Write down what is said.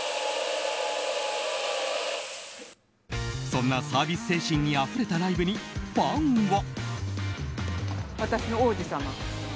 そんなサービス精神にあふれたライブにファンは。